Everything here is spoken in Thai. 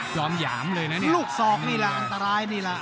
อมหยามเลยนะนี่ลูกศอกนี่ล่ะอันตรายนี่แหละ